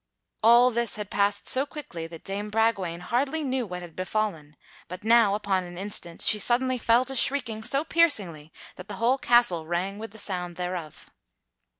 All this had passed so quickly that Dame Bragwaine hardly knew what had befallen; but now, upon an instant, she suddenly fell to shrieking so piercingly that the whole castle rang with the sound thereof.